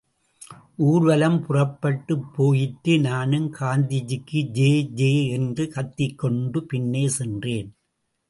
ஊர்வலம் புறப்பட்டுப் போயிற்று நானும் காந்திஜிக்கு ஜே ஜே என்று கத்திக்கொண்டு பின்னே சென்றேன்.